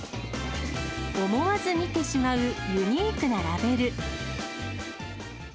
思わず見てしまうユニークなラベル。